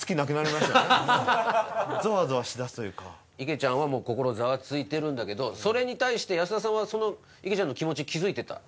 池ちゃんはもう心ざわついてるんだけどそれに対して安田さんはその池ちゃんの気持ち気づいてた？